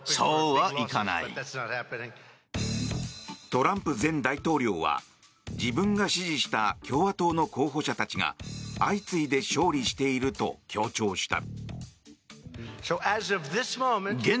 トランプ前大統領は自分が支持した共和党の候補者たちが相次いで勝利していると強調した。